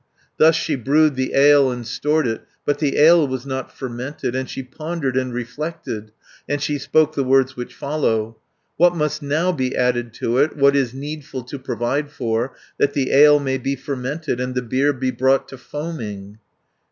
180 "Thus she brewed the ale and stored it, But the ale was not fermented, And she pondered and reflected, And she spoke the words which follow: 'What must now be added to it, What is needful to provide for, That the ale may be fermented, And the beer be brought to foaming?'